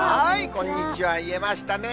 こんにちは言えましたね。